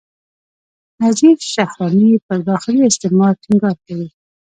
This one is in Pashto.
نظیف شهراني پر داخلي استعمار ټینګار کوي.